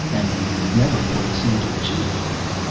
And never quite seemed to achieve it.